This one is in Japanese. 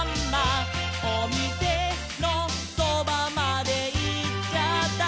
「おみせのそばまでいっちゃった」